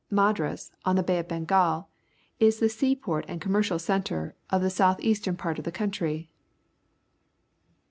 MadraSj_ on the Bay of Bengal, is the sea port and commercial centre of the south eastern part of the country.